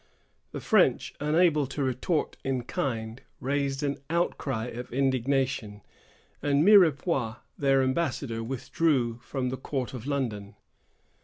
The French, unable to retort in kind, raised an outcry of indignation, and Mirepoix their ambassador withdrew from the court of London.